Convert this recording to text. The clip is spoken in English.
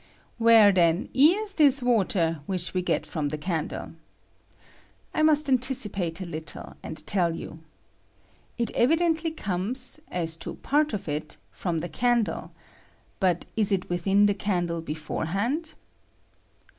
Where, then, is this water which we get from a candle ? I must anticipate a little, and tell you. It evidently comes, as to part of it, from the J ■ ACTION OF POTASSIUM ON WATER. 77 candle, but is it withiii the candle beforehand